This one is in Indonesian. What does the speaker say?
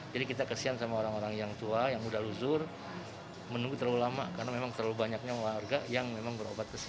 jadi kita kesian sama orang orang yang tua yang udah lusur menunggu terlalu lama karena memang terlalu banyaknya warga yang memang berobat kesini